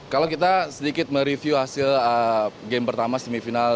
kalau kita sedikit mereview hasil game pertama semifinal